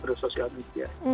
harus bijak bersosial media